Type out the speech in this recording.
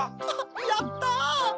やった！